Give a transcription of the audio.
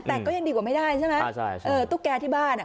แต่ก็ยังดีกว่าไม่ได้ใช่ไหมเออตุ๊กแกที่บ้านอ่ะ